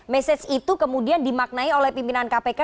mesej itu kemudian dimaknai oleh pimpinan kpk